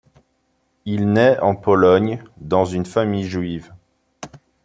Il naît en Pologne, dans une famille juive.